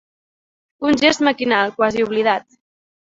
Un gest maquinal, quasi oblidat.